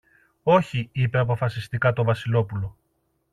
Όχι, είπε αποφασιστικά το Βασιλόπουλο